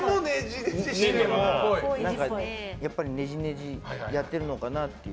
やっぱりねじねじやってるのかなっていう。